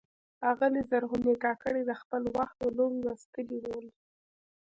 آغلي زرغونې کاکړي د خپل وخت علوم لوستلي ول.